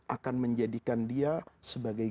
akan menjadikan dia sebagai